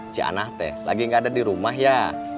cik anah teh lagi gak ada dirumah ya